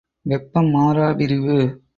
வெப்பம் மாறா விரிவு.